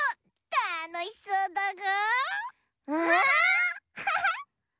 たのしそうだぐ！